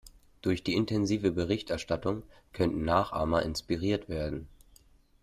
Durch die intensive Berichterstattung könnten Nachahmer inspiriert werden.